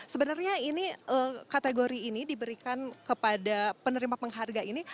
sebenarnya ini kategori ini diberikan kepada penerima pengharga ini